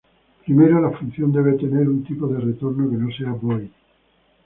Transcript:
Primero, la función debe tener un tipo de retorno que no sea void.